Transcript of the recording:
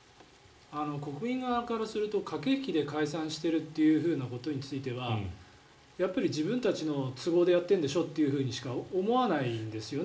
国民側からすると駆け引きで解散しているということについてはやっぱり自分たちの都合でやってるんでしょとしか思わないんですよね。